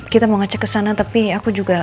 kita mau ngecek kesana tapi aku juga